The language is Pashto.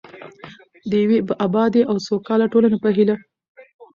د یوې ابادې او سوکاله ټولنې په هیله.